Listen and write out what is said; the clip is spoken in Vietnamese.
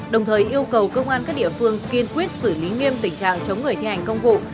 đồng thời yêu cầu công an các địa phương kiên quyết xử lý nghiêm tình trạng chống người thi hành công vụ